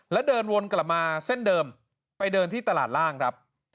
แล้วเดินวนกลับมาเส้นเดิมไปเดินที่ตลาดล่างครับ